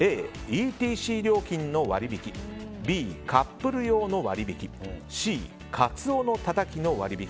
Ａ、ＥＴＣ料金の割引Ｂ、カップル用の割引Ｃ、カツオのたたきの割引。